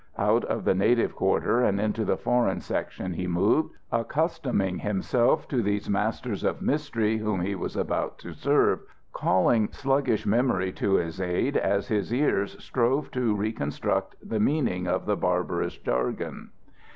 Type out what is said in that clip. Out of the native quarter and into the foreign section he moved, accustoming himself to these masters of mystery whom he was about to serve, calling sluggish memory to his aid as his cars strove to reconstruct The meaning of the barbarous jargon.